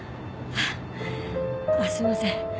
あっすいません。